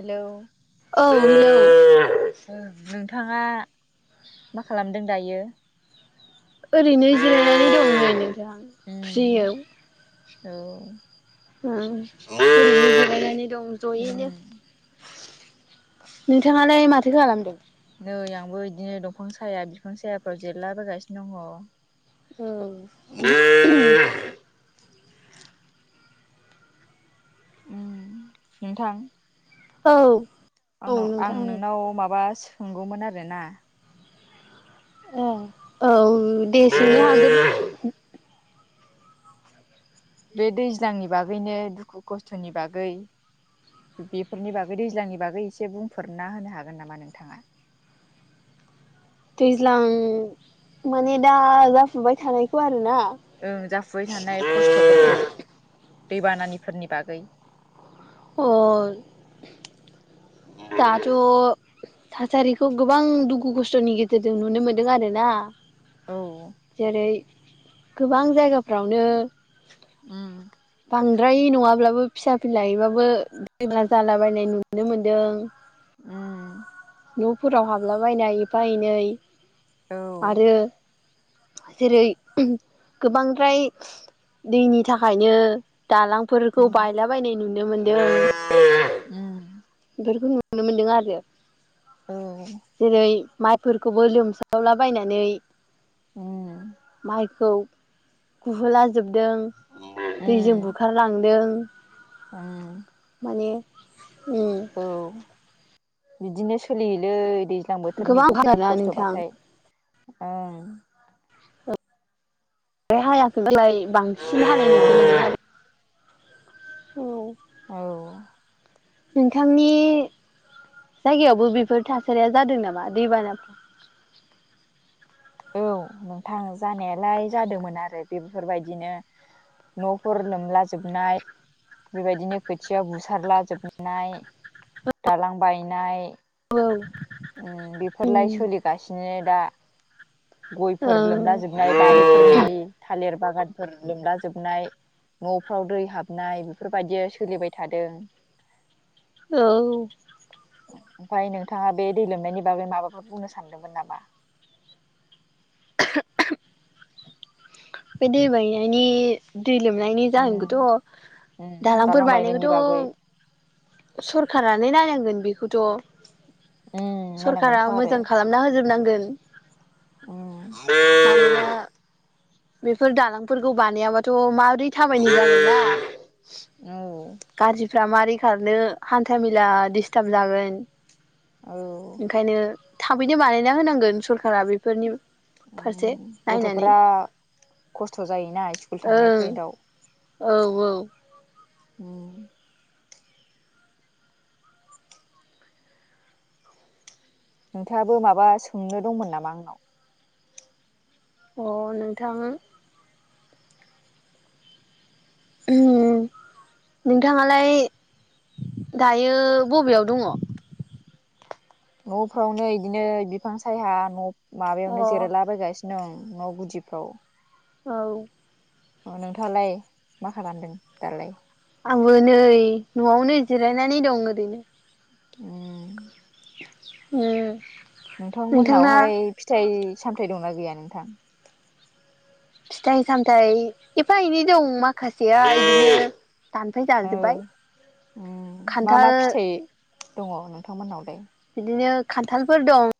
Hello! औ hello. थाङा मा खालामदों दायो? ओरैनो जिरायनानै दं नै नोंथां, उम फ्रियोव। औ उम ओरैनो जिरायनानै दं जयैनो। उम [unintelligible] नोंथांआ लाय माथो खालामदों? नै आंबो इदिनो दंफां साया बिफां सायाफ्राव जेरलाबाय गासिनो दङ। औ [unintelligible] उम नोंथां औ। औ आंनाव आं नोंथां नोंनाव माबा सोंगौमोन आरोना ओं औ दे बे सोंनो हागोन बे दैज्लांनि बागैनो दुखु खस्थनि बागै बेफोरनि बागै दैज्लांनि बागै एसे बुंफोरना होनो हागोन नामा नोंथाङा? दैज्लां माने दा जाफुबाय थानायखौ आरो ना? ओं जाफुबाय थानाय खस्थफोरखौ दैबानानिफोरनि बागै। अ [inaudible] दाथ थासारिखौ गोबां दुखु खस्थनि गेजेरजों नुनो मोनदों आरोना औ जेरै- गोबां जायगाफ्रावनो उम। बांद्राय नङाब्लाबो फिसा फिनलायैबाबो दैला जालाबायनाय नुनो मोनदों। उम। नफोराव हाबलाबायनाय एफा एनै, औ। आरो जेरै गोबांद्राय दैनि थाखायनो दालांफोरखौ उम बायलाबायायनाय नुनो मोनदों, उम बेफोरखौ नुनो मोनदों आरो औ जेरै माइफोरखौबो लोमसावलाबायनानै उम माइखौ गुहोलाजोबदों दैजों बुखारलांदों। ओं। माने उम औ बिदिनो सोलियोलै दै ज्लां बोथोरनि गोबां हादोंना नोंथां खस्थबाथाय ओं औ [unintelligible] औ। नोंथांनि जायगायावबो बेफोर थासारिया जादों नामा दैबाना औ नोंथां जानायालाय जादोंमोन आरो बेफोरबायदिनो नफोर लोमला जोबनाय, बेबायदिनो खोथिया बुसारला जोबनाय, दालां बायनाय, औ उम बेफोरलाय सोलिगासिनो दा। औ गयफोर लोमला जोबनाय, बारिफोरनि थालिर बागानफोर लोमला जोबनाय। नफ्राव दै हाबनाय बेफोरबायदिया सोलिबाय थादों। औ ओमफ्राय नोंथाङा बे दै लोमनायनि बागै माबाफोर बुंनो सानदोंमोन नामा? बे दै बायनायनि दै लोमनायनि उम जाहोनखौथ' उम दालांफोर दालां बायनायनि बागै बानायनायखौथ' सरखारानो नायनांगो गोन बेखौथ' उम सरखारा नायनांगोनथ' आरो मोजां खालामना होजोबनांगोन। उम मानोना बेफोर दालांफोरखौ बानायाबाथ' माबोरै थाबायनो जागोनना। औ गारिफ्रा मारै खारनो हान्था मेला दिस्टार्ब जागोन। औ ओंखायनो थाबैनो बानायना होनांगोन सर कारा बेफोरनि फारसे उम नायनानै। गथ'फोरा खस्थ' जायोना स्कुल थांनाय ओं फैदाव। औ औ उम नोंथाङाबो माबा सोंनो दंमोन नामा आंनाव? अ नोंथां उम नोंथाङालाय दायो बबेयाव दङ? न'फ्रावनो इदिनो बिफां सायहा न' माबायावनो औ जिरायलाबायगासिनो। नों न' गुदिफ्राव। औ अ नोंथाङालाय मा खालामदों दालाय? आंबो नै न'आवनो जिरायनानै दं ओरैनो। उम उम नोंथांना नोंथांमोननावहाय फिथाइ सामथाइ दंना गैया नोंथां? फिथाइ सामथाइ एफा एनै दं मा खासेया इदिनो दानफाय औ जाजोबबाय। उम मा मा फिथाइ दङ नोंथांमोननावलाय? इनो खान्थालफोर दं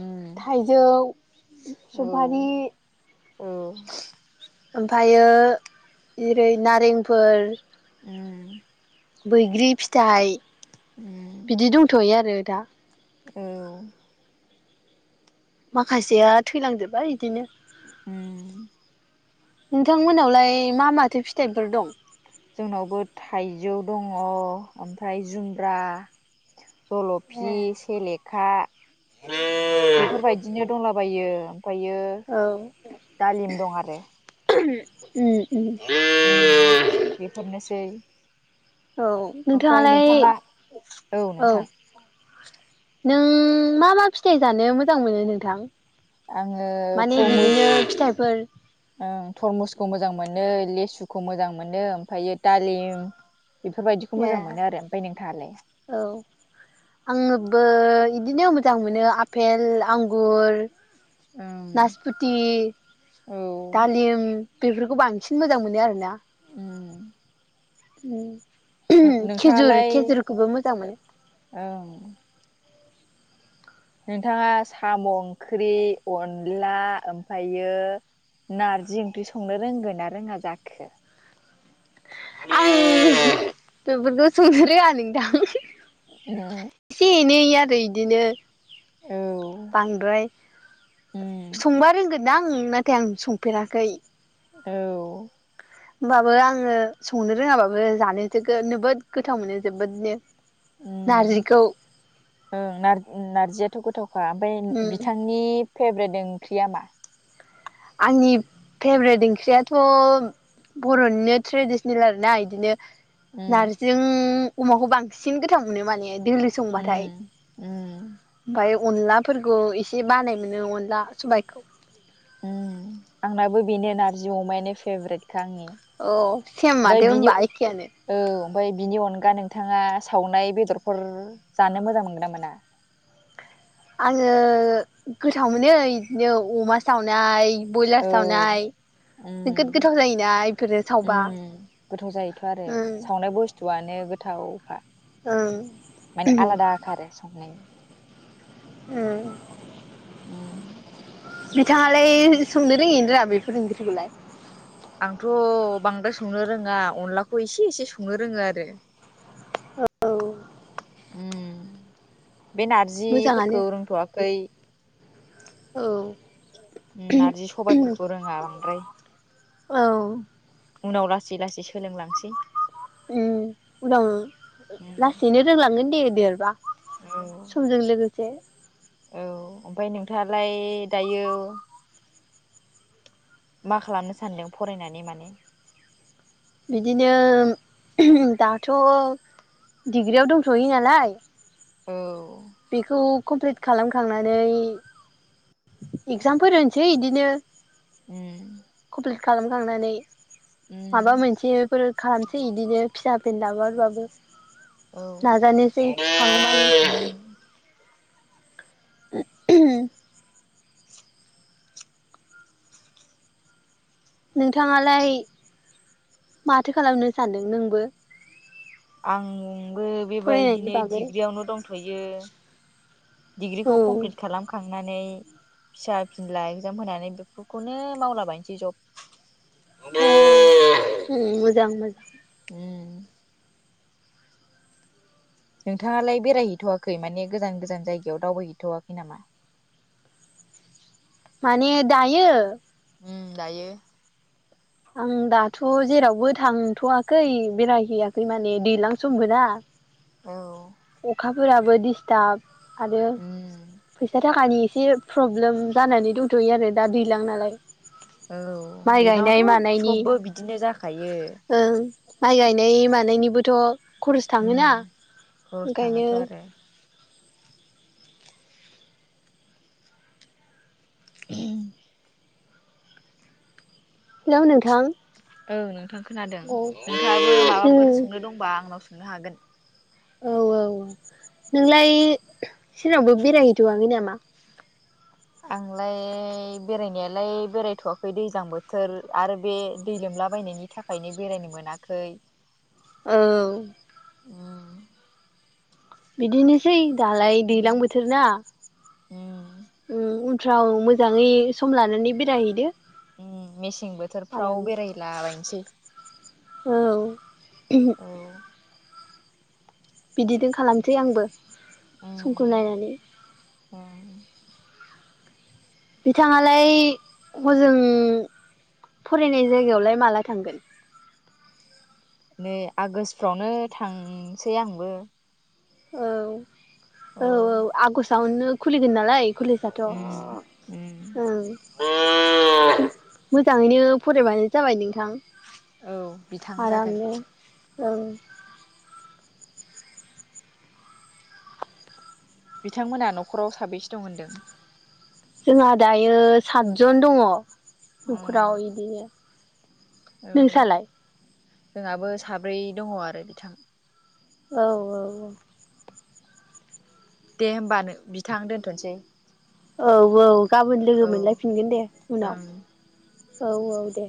उम थाइजौ औ सफारि औ ओमफायो जेरै नारेंफोर उम बैग्रि फिथाइ उम बिदि दंथ'यो आरो दा। औ माखासेया थैलांजोबबाय इदिनो उम नोंथांमोनालाय मा माथो फिथाइफोर दं? जोंनावबो थाइजौ दङ ओमफ्राय जुमब्रा, औ जल'फि, सेलेखा बेफोरबायदिनो दंलाबायो। ओमफायो दालिम दं आरो उम उम उम बेफोरनोसै औ ओमफ्राय नोंथाङालाय नोंथाङा औ नों मा मा फिथाइ जानो मोजां मोनो नोंथां? आङो माने थुरमुस बिदिनो फिथाइफोर ओ थरमुसखौ मोजां मो नो लेसुखौ मोजां मोनो ओमफायो दालिम बेफोरबायदिखौ ए मोजां मोनो आरो ओमफाय नोंथाङालाय? बो इदिनो मोजां मोनो आफेल, आंगुर, नोंथाङालाय नासपुथि, ओं औ दालिम बेफोरखौ बांसिन मोजां मोनो आरो ना। उम उम खेजुर नोंथाङालाय खेजुरखौबो मोजां मोनो। ओं नोंथाङा साम' ओंख्रि अनला ओमफायो नारजि ओंख्रि संनो रोंगोना रोङा जाखो? औ [unintelligible] बेफोरखौ संनो रोङा नोंथां। औ। एसे एनै आरो इदिनो। औ ओं बांद्राय संबा रोंगोन। दा आं नाथाय आं संफेराखै। औ। होमबाबो आङो संनो रोङाबाबो जानो जोबोद गोथाव मोनो जोबोदनो। नारजिखौ। ओं नारजियाथ' गोथावखा ओमफ्राय बिथांनि फेब्रेट ओंख्रिया मा? आंनि फेब्रेट ओंख्रियाथ'। बर'निनो ट्रेडिसनेल आरोना बिदिनो। उम नारजि अमाखौ बांसिन गोथाव मोनो माने। दोलो संबाथाय उम उम ओमफ्राय। अनलाफोरखौ एसे बानाय मोनो अनला सबायखौ। आंनाबो बेनो नारजि अमानो फेब्रेट। औ सेम ओमफाय‌ माथो बेनि होनबा औ एखेयानो ओमफ्राय बिनि अनगा नोंथाङा सावनाय बेदरफोर जानो मोजां मोनगोन ना मोना? आङो गोथाव मोनो बिदिनो अमा सावनाय। ब्रयलार औ सावनाय उम नोगोद गोथाव जायोना बेफोरो सावबा। उम गोथाव जायोथ' आरो ओं सावनाय बुस्थु। आनो गोथावखा ओं माने आलादा आरो संनायनि। ओम। उम नोंथाङालाय संनो रोङोना रोङा बेफोर ओंख्रिखौलाय। आंथ' बांद्राय संनो रोङा अनलाखौ एसे एसे संनो रोङो आरो। औ बे मोजाङानो नारजिफोरखौ रोंथ'वाखै। औ। नारजि सबायफोरखौ रोङा बांद्राय। औ। उनाव लासै लासै सोलोंलांसै। उनाव लासैनो रोंलांगोन दे देरबा। औ समजों लोगोसे। औ ओमफ्राय नोंथाङालाय दायो। मा खालामनो सानदों फरायनानै माने। बिदिनो दाथ'। डिग्रियाव दंथयो नालाय। औ। - बेखौ कमप्लिट खालामखांनानै। इगजामफोर होनोसै बिदिनो। उम खालामखांनानै उम माबा मोनसेफोर खालामसै बिदिनो फिसा फेनला बाबाबो औ। हागौमानि [unintelligible] नोंथाङालाय माथो खालामनो सानदों नोंबो। आं। आंबो फरायनायनि बेबायदिनो बागै डिग्रियावनो दंथ'यो औ डिग्रिखौ कमप्लिट खालामखां। थांनानै फिसा फिनला एगजाम होनानै बेफोरखौनो मावलाबायनोसै जब। [unintelligible] मोजां मोजां उम नोंथाङालाय बेरायहैथ'वाखै माने गोजान गोजान जायगायाव दावबायहैथ'वाखै नामा माने दायो दायो आं दाथ' जेरावबो थांथ'वाखै बेरायहैयाखै माने दैज्लां समबोना औ अखाफोराबो दिस्टाब आरो उम फैसा थाखानि एसे प्रब्लेम जानानै दंथ'यो आरो दा दैज्लां नालाय औ माइ गायनाय दैज्लाङावथ' मानायनि सबबो बिदिनो जाखायो ओं माइ गायनाय मानायनिबोथ' खरस थाङोना ओंखायनो थाङाथ' आरो उम हेलौ नोंथां औ नोंथां खोनादों औ नोंथाङाबो माबाफोर उम सोंनो दंबा आंनाव सोंनो हागोन औ औ नोंलाय सोरनावबो बेरायहैथ'आङै नामा आंलाय बेरायनायालाय बेरायथ'वाखै दैज्लां बोथोर आरो बे दैलोम नुलाबायनायनि थाखायनो बेरायनो मोनाखै औ उम बिदिनोसै दालाय दैज्लां उम बोथोर ना उम थाव मोजाङै सम लानानै बेरायहैदो उ मेसें बोथोरफ्राव आरामनो बेरायलाबायनोसै औ औ बिदिजों खालामसै आंबो समखौ उम नायनानै उम बिथाङालाय हजों फरायनाय जायगायावलाय माला थांगोन नै आगष्ट आवनो थांसै आंबो औ औ औ आगस्टावनो खुलिगोन नालाय कलेजाथ' उम उम ओं [inaudible] मोजाङैनो फरायबानो जाबाय नोंथां औ बिथां जागोन आरामनो औ बिथांमोना न'खराव साबैसे दं होनदों जोंहा दायो सातजन दङ उम न'खराव बिदिनो औ नोंसालाय जोंहाबो साब्रै दङ आरो बिथां औ औ दे होमबा नो बिथां दोनथ'सै औ औ गाबोन लोगो औ मोनलायफिनगोन दे ओं उनाव औ औ दे